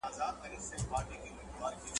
ځوان سړی باید تجربه ترلاسه کړي.